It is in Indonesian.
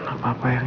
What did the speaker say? dari email ini